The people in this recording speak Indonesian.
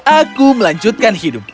aku melanjutkan hidup